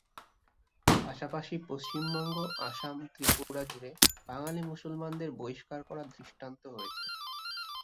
পাশাপাশি পশ্চিমবঙ্গ, আসাম, ত্রিপুরা জুড়ে বাঙালি মুসলমানদের বহিষ্কার করার দৃষ্টান্ত রয়েছে।